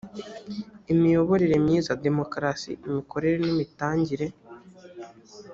imiyoborere myiza demokarasi imikorere n imitangire